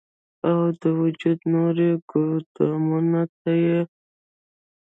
او د وجود نورو ګودامونو ته ئې ولي